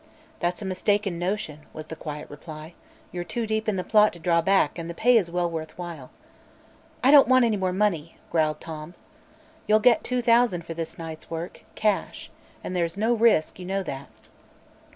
"That's a mistaken notion," was the quiet reply. "You're too deep in the plot to draw back, and the pay is well worth while." "I don't want any more money," growled Tom. "You'll get two thousand for this night's work. Cash. And there is no risk; you know that."